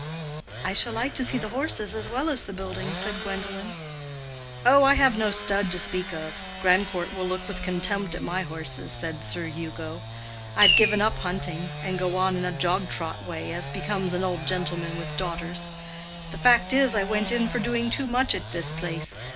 "I shall like to see the horses as well as the building," said Gwendolen. "Oh, I have no stud to speak of. Grandcourt will look with contempt at my horses," said Sir Hugo. "I've given up hunting, and go on in a jog trot way, as becomes an old gentlemen with daughters. The fact is, I went in for doing too much at this place.